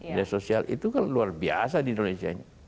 media sosial itu kan luar biasa di indonesia ini